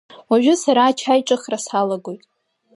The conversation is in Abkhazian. Уажәы сара ачаиҿыхра салагоит.